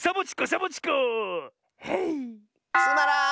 つまらん！